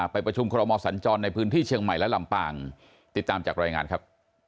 ประชุมคอรมอสัญจรในพื้นที่เชียงใหม่และลำปางติดตามจากรายงานครับ